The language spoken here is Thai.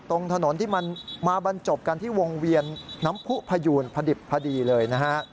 ตรงถนนที่มันมาบรรจบกันที่วงเวียนน้ำผู้พยูนพอดิบพอดีเลยนะฮะ